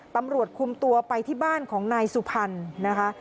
ตำรวจคุมตัวไปที่บ้านของนายสุพรรณนะคะ